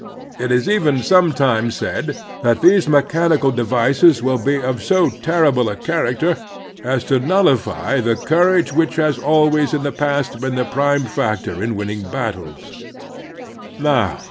It is even sometimes said that these mechanical devices will be of so terrible a character as to nullify the courage which has always in the past been the prime factor in winning battles.